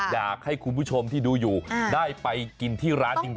อยากให้คุณผู้ชมที่ดูอยู่ได้ไปกินที่ร้านจริง